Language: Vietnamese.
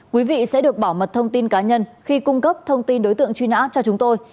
quý vị sẽ được bảo mật thông tin cá nhân khi cung cấp thông tin đối tượng truy nã cho chúng tôi